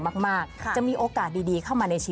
ก็จะมี๒วิธีนะคะ